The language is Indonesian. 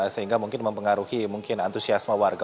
sehingga mungkin mempengaruhi antusiasma warga